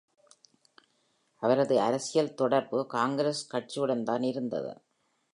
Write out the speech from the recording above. அவரது அரசியல் தொடர்பு காங்கிரஸ் கட்சியுடன்தான் இருந்தது.